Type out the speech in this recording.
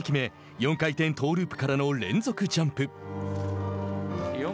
４回転トーループからの連続ジャンプ。